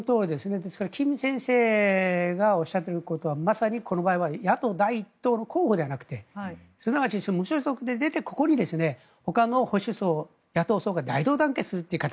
ですから金先生がおっしゃっていることはまさにこの場合は野党第１党の候補ではなくてすなわち無所属で出てここにほかの保守層野党層が大同団結するという形。